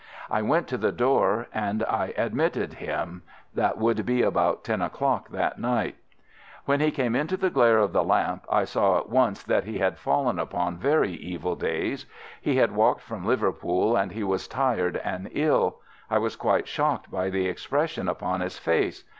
I went to the door and I admitted him. That would be about ten o'clock that night. "When he came into the glare of the lamp, I saw at once that he had fallen upon very evil days. He had walked from Liverpool, and he was tired and ill. I was quite shocked by the expression upon his face.